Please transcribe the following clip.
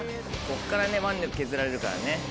ここからね腕力削られるからね。